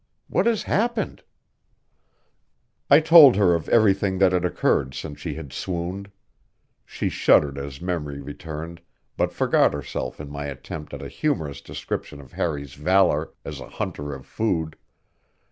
What has happened?" I told her of everything that had occurred since she had swooned; she shuddered as memory returned, but forgot herself in my attempt at a humorous description of Harry's valor as a hunter of food.